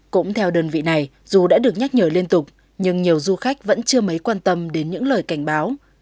cũng theo đơn vị này dù đã được nhắc nhở liên tục nhưng nhiều du khách vẫn chưa mấy quan tâm đến những lời cảnh báo